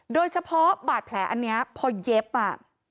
โดยเฉพาะบาดแผลอันนี้พอเย็บอ่ะ